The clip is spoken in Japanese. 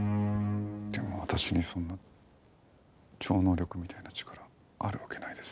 でも私にそんな超能力みたいな力あるわけないです。